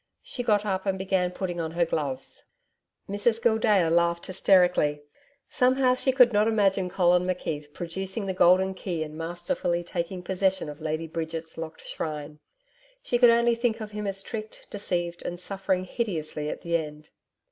She got up and began putting on her gloves. Mrs Gildea laughed hysterically. Somehow, she could not imagine Colin McKeith producing the golden key and masterfully taking possession of Lady Bridget's locked shrine. She could only think of him as tricked, deceived and suffering hideously at the end.